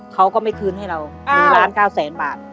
เขาก็ไม่คืนให้เรา๑ล้าน๙แสนบาท